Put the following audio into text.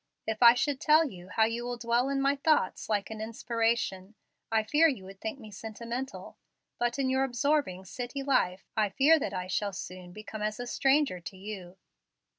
If I should tell you how you will dwell in my thoughts like an inspiration, I fear you would think me sentimental. But in your absorbing city life I fear that I shall soon become as a stranger to you."